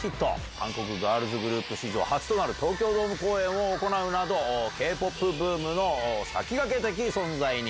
韓国ガールズグループ史上初となる東京ドーム公演を行うなど、Ｋ−ＰＯＰブームの先駆け的存在に。